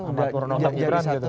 pak purnomo pak gibran gitu